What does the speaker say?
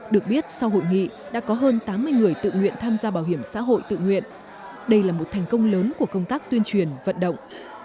được biết sau hội nghị đã có hơn tám mươi người tự nguyện tham gia bảo hiểm xã hội tự nguyện đây là một thành công lớn của công tác tuyên truyền vận động